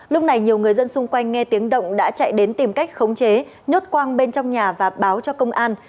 lúc này nhiều người dân xung quanh nghe tiếng động đã chạy đến tìm cách khống chế nhốt quang bên trong nhà và báo cho công an